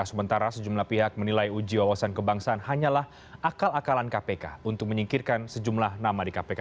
sementara sejumlah pihak menilai uji wawasan kebangsaan hanyalah akal akalan kpk untuk menyingkirkan sejumlah nama di kpk